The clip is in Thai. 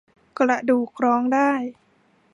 กระดูกร้องได้